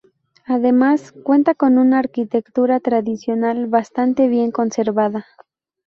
Además, cuenta con una arquitectura tradicional bastante bien conservada.